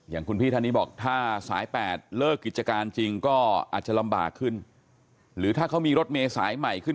อย่างคุณพี่ท่านิบอกถ้าสายแบบไม่เลิกกิจการจริงก็อาจจะลำบากขึ้น